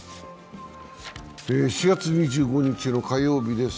４月２５日の火曜日です。